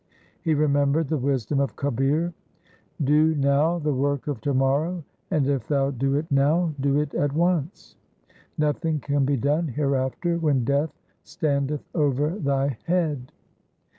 He remembered the wisdom of Kabir :— Do now the work of to morrow ; and if thou do it now, do it at once. Nothing can be done hereafter when Death standeth over thy head.